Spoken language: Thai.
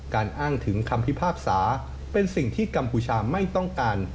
อ้างถึงคำพิพากษาเป็นสิ่งที่กัมพูชาไม่ต้องการ